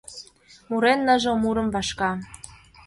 Мурен ныжыл мурым, вашка.